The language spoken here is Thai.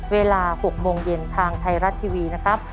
เวลา๖โมงเย็นทางไทยรัฐทีวีนะครับ